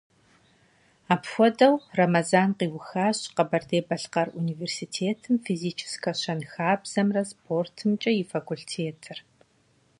Апхуэдэу Рэмэзан къиухащ Къэбэрдей-Балъкъэр университетым Физическэ щэнхабзэмрэ спортымкӏэ и факультетыр.